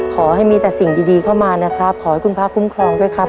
ขอให้มีแต่สิ่งดีเข้ามานะครับขอให้คุณพระคุ้มครองด้วยครับ